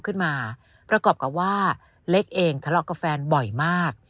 ขึ้นมาประกอบกับว่าเล็กเองทะเลาะกับแฟนบ่อยมาก